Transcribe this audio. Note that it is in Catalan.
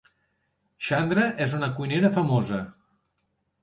Xandra és una cuinera famosa.